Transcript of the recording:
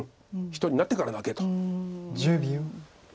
「１人になってから泣け」と。